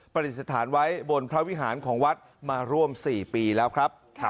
ปฏิสถานไว้บนพระวิหารของวัดมาร่วม๔ปีแล้วครับ